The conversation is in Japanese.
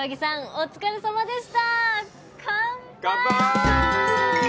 お疲れさまです。